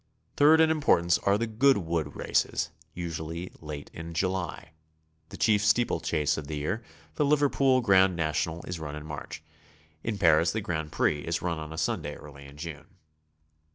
Third in importance are the Goodwood races, usually late in July. The chief steeplechase of the year, the Liverpool Grand National, is run in March. In Paris the Grand Prix is run on a Sunday early in June.